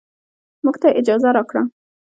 موږ ته يې اجازه راکړه.